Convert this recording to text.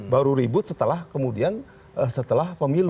baru ribut setelah kemudian setelah pemilu